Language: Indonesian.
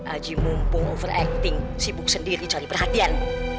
aji mumpung lions sibuk sendiri cari perhatian